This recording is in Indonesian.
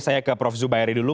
saya ke prof zubairi dulu